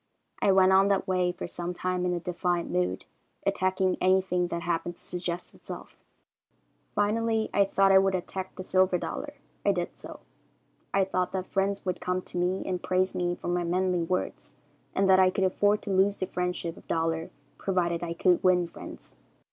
I went on that way for some time in a defiant mood, attacking anything that happened to suggest itself. "Finally I thought I would attack the silver dollar. I did so. I thought that friends would come to me and praise me for my manly words, and that I could afford to lose the friendship of the dollar provided I could win friends.